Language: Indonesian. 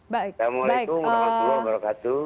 waalaikumsalam warahmatullahi wabarakatuh